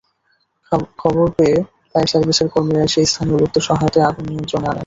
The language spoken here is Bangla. খবর পেয়ে ফায়ার সার্ভিসের কর্মীরা এসে স্থানীয় লোকদের সহায়তায় আগুন নিয়ন্ত্রণে আনেন।